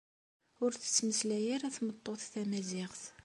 Ur tettmeslay ara tmeṭṭut tamaziɣt.